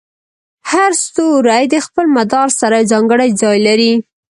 هر ستوری د خپل مدار سره یو ځانګړی ځای لري.